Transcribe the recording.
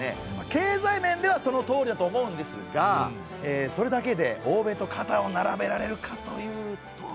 経済面ではそのとおりだと思うんですがそれだけで欧米と肩を並べられるかというと。